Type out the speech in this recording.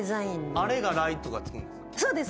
あれがライトがつくんですか？